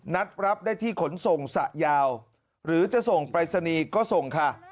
นัดรับได้ที่ขนส่งสะยาวหรือจะส่งปรายศนีย์ก็ส่งค่ะ